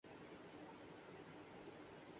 میں وہ ہوں جس میں کہ خود مبتلا اُداسی ہے